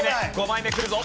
５枚目くるぞ。